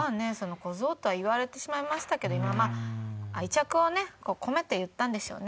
小僧とは言われてしまいましたけどまあ愛着をね込めて言ったんでしょうね